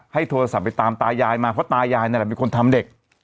โทรศัพท์ไปตามตายายมาเพราะตายายนั่นแหละเป็นคนทำเด็ก